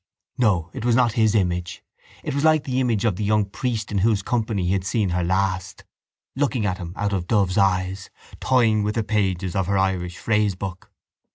No, it was not his image. It was like the image of the young priest in whose company he had seen her last, looking at him out of dove's eyes, toying with the pages of her Irish phrasebook.